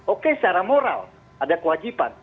oke secara moral ada kewajiban